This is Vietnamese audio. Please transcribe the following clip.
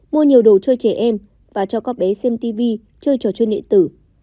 mua nhiều đồ chơi trẻ em và cho các bé xem tv chơi trò chơi điện tử